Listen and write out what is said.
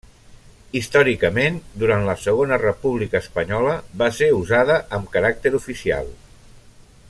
Històricament, durant la Segona República Espanyola va ser usada amb caràcter oficial.